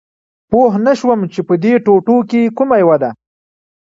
پوه نه شوم چې په دې ټوټو کې کومه یوه ده